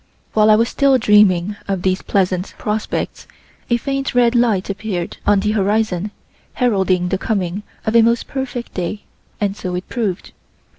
While I was still dreaming of these pleasant prospects, a faint red line appeared on the horizon heralding the coming of a most perfect day, and so it proved.